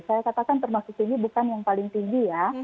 saya katakan termasuk ini bukan yang paling tinggi ya